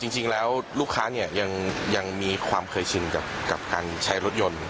จริงแล้วลูกค้าเนี่ยยังมีความเคยชินกับการใช้รถยนต์